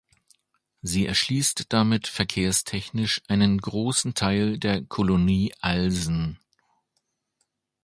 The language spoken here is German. Sie erschließt damit verkehrstechnisch einen großen Teil der Colonie Alsen.